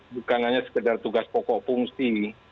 bukan hanya sekedar tugas pokok fungsi